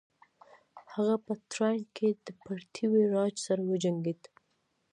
هغه په تراین کې د پرتیوي راج سره وجنګید.